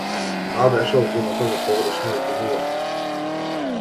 Таа беше обвинета за погрешни обвинувања.